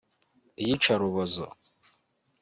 iyicarubozo